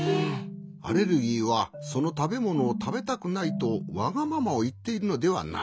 アレルギーはそのたべものをたべたくないとわがままをいっているのではない。